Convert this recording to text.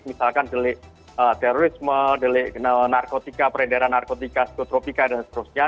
misalkan delik terorisme delik narkotika peredaran narkotika psikotropika dan seterusnya